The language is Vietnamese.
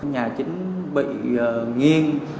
nhà chính bị nghiêng